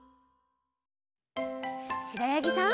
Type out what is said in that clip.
しろやぎさん。